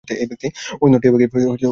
উড়ন্ত টিয়াপাখি কালো দেখায় কেন?